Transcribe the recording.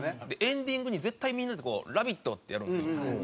エンディングに絶対みんなで「ラヴィット！」ってやるんですよ。